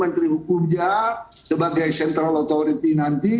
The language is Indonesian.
menteri hukum jakarta sebagai central authority nanti